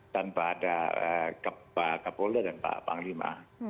tanpa ada pak kapolda dan pak panglima